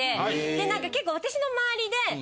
で何か結構私の周りで。え！